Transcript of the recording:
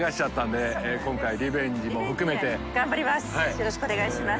よろしくお願いします。